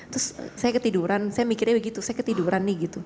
terus saya ketiduran saya mikirnya begitu saya ketiduran nih gitu